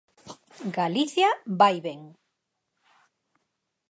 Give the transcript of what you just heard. Galicia vai ben.